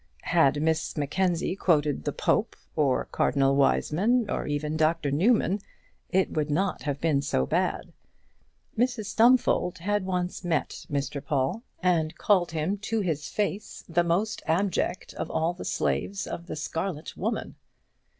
Had Miss Mackenzie quoted the Pope, or Cardinal Wiseman or even Dr Newman, it would not have been so bad. Mrs Stumfold had once met Mr Paul, and called him to his face the most abject of all the slaves of the scarlet woman.